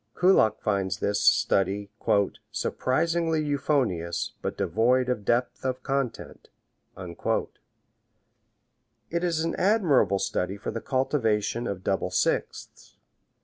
Kullak finds this study "surprisingly euphonious, but devoid of depth of content." It is an admirable study for the cultivation of double sixths.